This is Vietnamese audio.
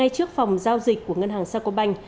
trước phòng giao dịch của ngân hàng sa công bạch